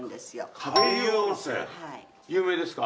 有名ですか？